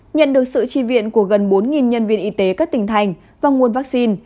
nhận được sự tri viện của gần bốn nhân viên y tế các tỉnh thành và nguồn vaccine